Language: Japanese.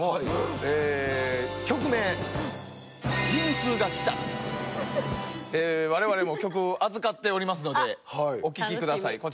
え我々も曲預かっておりますのでお聴きくださいこちらです。